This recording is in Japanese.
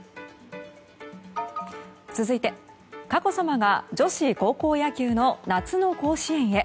続いて佳子さまが女子高校野球の夏の甲子園へ。